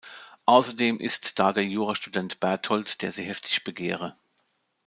Außerdem ist da der Jurastudent Berthold, der sie heftig begehre.